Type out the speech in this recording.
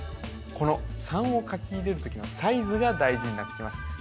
この３を書き入れる時のサイズが大事になってきます